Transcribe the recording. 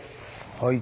はい。